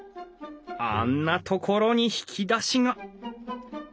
あんな所に引き出しが！